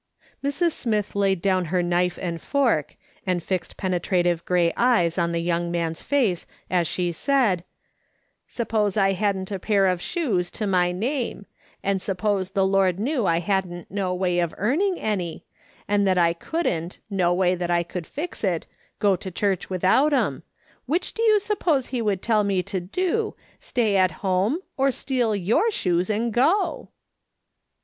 Mrs. Smith laid down her knife and fork, and fixed penetrative grey eyes on the young man's face as she said :" Suppose I hadn't a pair of shoes to my name, and suppose the Lord knew that I hadn't no way of earning any, and that I couldn't, no way that I could fix it, go to church without 'em, Avhich do you suppose he would tell me to do, stay at home or steal your shoes and go